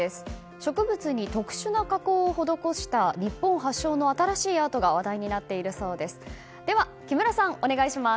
植物に特殊な加工を施した日本発祥の新しいアートが話題になっているそうです。